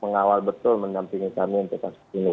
mengawal betul mendampingi kami untuk kasus ini